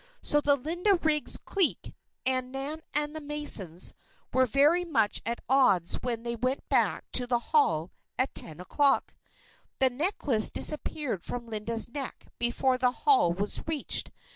So the Linda Riggs' clique, and Nan and the Masons, were very much at odds when they went back to the hall at ten o'clock. The necklace disappeared from Linda's neck before the Hall was reached.